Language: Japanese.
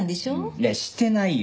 いやしてないよ！